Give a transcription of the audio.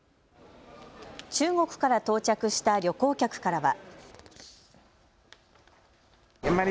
中国から到着した旅行客からは。